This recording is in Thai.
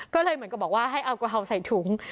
ก็เลยเหมือนกับบอกว่าให้เอากะเพราใส่ถุง